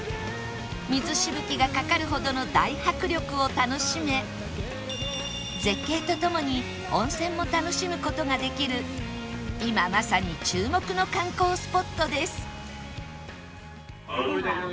水しぶきがかかるほどの大迫力を楽しめ絶景とともに温泉も楽しむ事ができる今まさに注目の観光スポットです